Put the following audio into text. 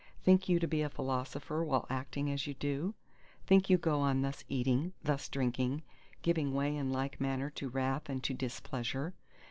Think you to be a philosopher while acting as you do? think you go on thus eating, thus drinking, giving way in like manner to wrath and to displeasure?